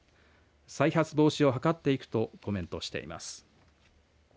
再発防止を図っていくとコメントしています。